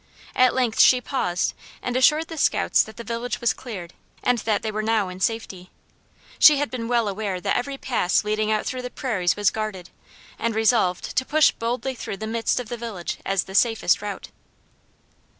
At length she paused and assured the scouts that the village was cleared, and that they were now in safety. She had been well aware that every pass leading out through the prairies was guarded, and resolved to push boldly through the midst of the village as the safest route.